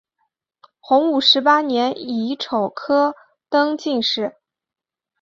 洪武十八年乙丑科登进士。